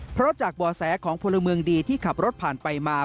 เพราะจากบ่อแสของพลเมืองดีที่ขับรถผ่านไปมา